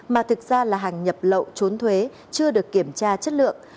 mà thực ra là hàng nhập lậu trốn thuế chưa được kiểm tra chất lượng